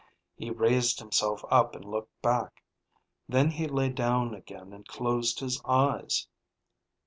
He raised himself up and looked back. Then he lay down again and closed his eyes.